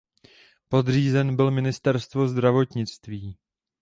Podřízen byl ministerstvu zdravotnictví.